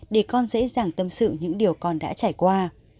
để con dễ dàng tâm sự những điều con đã trải qua